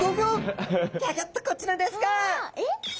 ギョギョッとこちらですか。